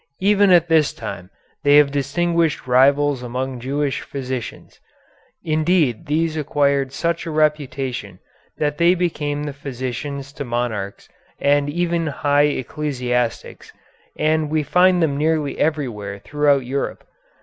Even at this time they have distinguished rivals among Jewish physicians. Indeed these acquired such a reputation that they became the physicians to monarchs and even high ecclesiastics, and we find them nearly everywhere throughout Europe.